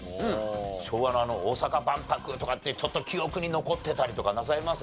昭和の大阪万博とかってちょっと記憶に残ってたりとかなさいます？